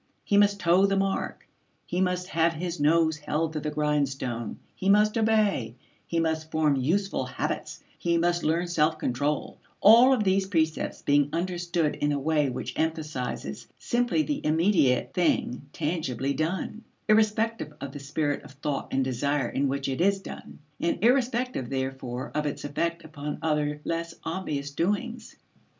He must toe the mark; he must have his nose held to the grindstone; he must obey; he must form useful habits; he must learn self control, all of these precepts being understood in a way which emphasizes simply the immediate thing tangibly done, irrespective of the spirit of thought and desire in which it is done, and irrespective therefore of its effect upon other less obvious doings.